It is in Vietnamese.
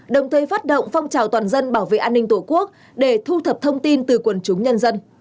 đồng thời phát động phong trào toàn dân bảo vệ an ninh tổ quốc để thu thập thông tin từ quần chúng nhân dân